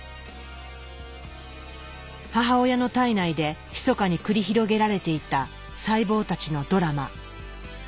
母親の胎内でひそかに繰り広げられていた細胞たちのドラマ。